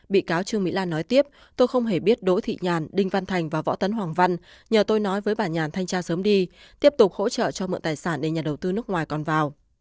bị cáo trương mỹ lan nói tiếp tôi không hề biết đỗ thị nhàn đinh văn thành và võ tấn hoàng văn nhờ tôi nói với bà nhàn thanh tra sớm đi tiếp tục hỗ trợ cho mượn tài sản để nhà đầu tư nước ngoài còn vào